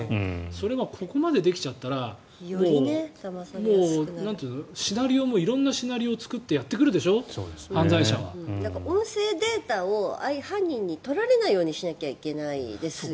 それがここまでできちゃったらシナリオも色んなシナリオを作って音声データを犯人に取られないようにしなきゃいけないですよね。